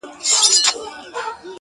چا مي وویل په غوږ کي-